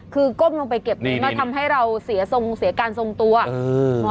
คือก้มลงไปเก็บนี่นี่นี่แล้วทำให้เราเสียทรงเสียการทรงตัวเออ